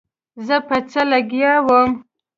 زه په څه لګيا وم.